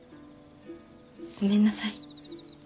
ごめんなさい。